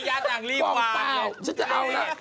ย่าตังค์รีบวาง